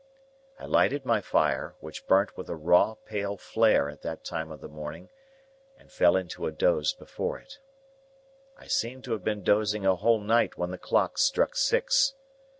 I lighted my fire, which burnt with a raw pale flare at that time of the morning, and fell into a doze before it. I seemed to have been dozing a whole night when the clocks struck six.